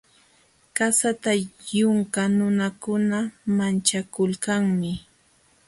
Qasata yunka nunakuna manchakulkanmi.